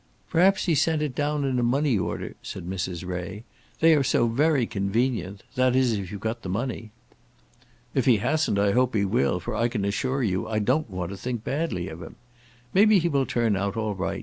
"Perhaps he's sent it down in a money order," said Mrs. Ray. "They are so very convenient, that is if you've got the money." "If he hasn't I hope he will, for I can assure you I don't want to think badly of him. Maybe he will turn out all right.